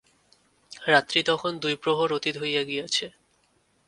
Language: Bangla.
রাত্রি তখন দুই প্রহর অতীত হইয়া গিয়াছে।